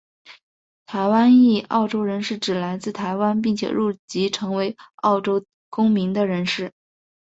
台湾裔澳洲人是指来自台湾并且入籍成为澳洲公民的人士。